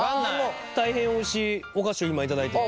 大変おいしいお菓子を今頂いてます。